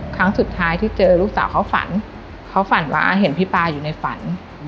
ครั้งสุดท้ายที่เจอลูกสาวเขาฝันเขาฝันว่าเห็นพี่ปลาอยู่ในฝัน